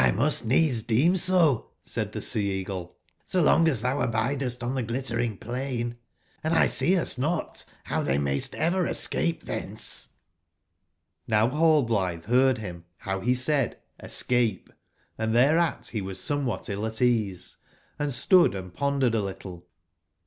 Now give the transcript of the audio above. X must needs deem 80," said tbe Sea/eagle, '*so longas tbou abidcst on tbe Glittering plain ; and X see not bow tbou mayst ever escape tbence^j^JVow Rallblitbe beard bim, bow be said ''escape," and tbereat be was somewbat ill at ease, and stood and pondered a little.